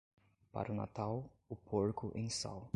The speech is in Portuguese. Para o Natal, o porco em sal.